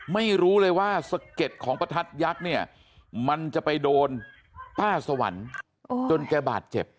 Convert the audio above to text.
ไม่รู้เลยว่าสะเก็ดของประทัดยักษ์เนี่ยมันจะไปโดนป้าสวรรค์จนแกบาดเจ็บ